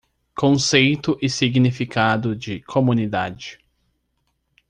Conceito e Significado de Comunidade.